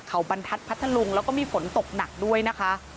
เขาบรรทัศนพัทธลุงแล้วก็มีฝนตกหนักด้วยนะคะ